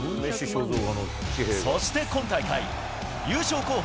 そして今大会、優勝候補